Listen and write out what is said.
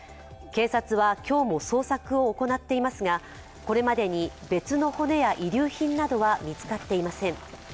警察は今日も捜索を行っていますが、これまでに別の骨や遺留品などは見つかっていません。